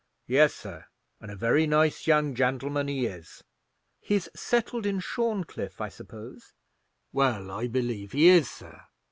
"Yes, sir; and a very nice young gentleman he is." "He's settled in Shorncliffe, I suppose?" "Well, I believe he is, sir.